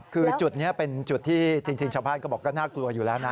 คือจุดนี้เป็นจุดที่จริงชาวบ้านก็บอกก็น่ากลัวอยู่แล้วนะ